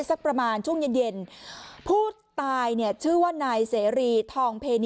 สักประมาณช่วงเย็นผู้ตายชื่อว่านายเสรีทองเภนี